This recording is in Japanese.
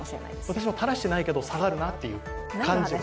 私も垂らしてないけど、下がるなという感じ。